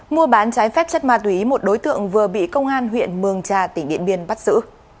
mua bán trái phép chất ma túy một đối tượng vừa bị công an huyện mường trà tỉnh điện biên bắt xử